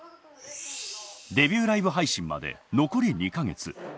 デビューライブ配信まで残り２か月。